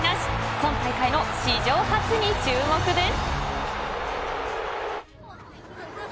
今大会の史上初に注目です。